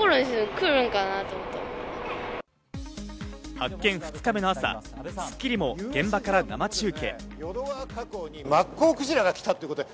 発見２日目の朝、『スッキリ』も現場から生中継。